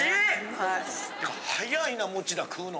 早いな餅田食うの。